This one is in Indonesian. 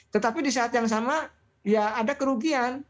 tetapi di saat yang sama ya ada kerugian